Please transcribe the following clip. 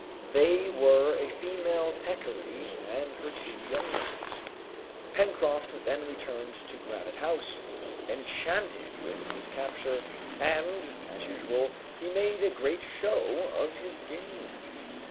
They were a female peccary and her two young ones. Pencroft then returned to Granite House, enchanted with his capture, and, as usual, he made a great show of his game.